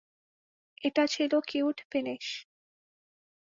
এটা ছিলো cute finish!